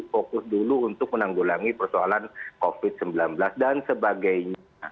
fokus dulu untuk menanggulangi persoalan covid sembilan belas dan sebagainya